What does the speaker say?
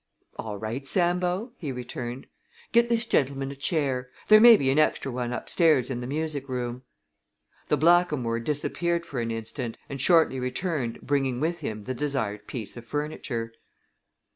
"All right, Sambo," he returned. "Get this gentleman a chair. There may be an extra one up stairs in the music room." The blackamoor disappeared for an instant and shortly returned bringing with him the desired piece of furniture.